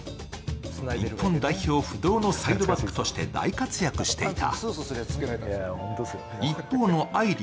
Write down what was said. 日本代表不動のサイドバックとして大活躍していた。